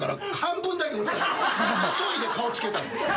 急いで顔つけたの。